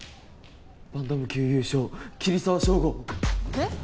「バンタム級優勝桐沢祥吾」えっ？